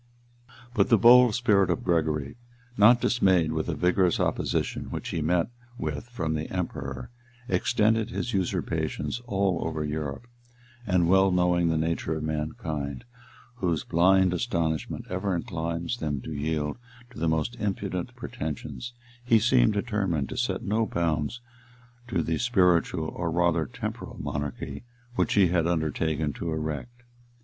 ] But the bold spirit of Gregory, not dismayed with the vigorous opposition which he met with from the emperor, extended his usurpations all over Europe; and well knowing the nature of mankind, whose blind astonishment ever inclines them to yield to the most impudent pretensions, he seemed determined to set no bounds to the spiritual, or rather temporal monarchy which he had undertaken to erect.